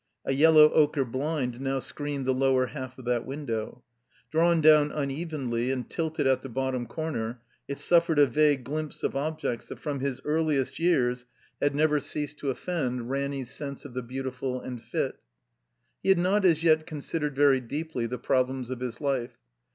A yellow ochre blind now screened the lower half of that window. Drawn down unevenly and tilted at the bottom comer, it suffered a vague glimpse of objects that from his earliest years had never 33 THE COMBINED MAZE ceased to offend Ratiny's sense of the beautiful and fit. He had not as yet considered very deeply the problems of his life.